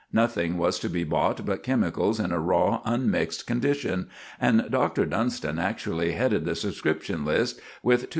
Nothing was to be bought but chemicals in a raw, unmixed condition, and Doctor Dunston actually headed the subscription list with 2_s.